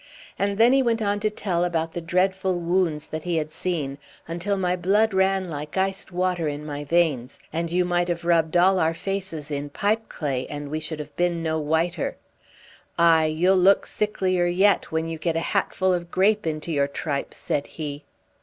And then he went on to tell about the dreadful wounds that he had seen, until my blood ran like iced water in my veins, and you might have rubbed all our faces in pipeclay and we should have been no whiter. "Aye, you'll look sicklier yet, when you get a hatful of grape into your tripes," said he.